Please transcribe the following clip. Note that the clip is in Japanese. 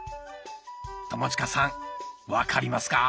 友近さん分かりますか？